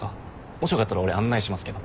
もしよかったら俺案内しますけど。